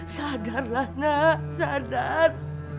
sadarlah nak sadar